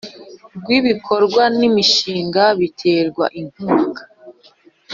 Rw ibikorwa n imishinga biterwa inkunga